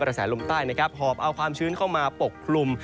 ที่มาจากที่ต้นออกเชียงใจรวมไปถึงกรตแสลมพอเอาความชื้นเข้ามาโปรกคลุม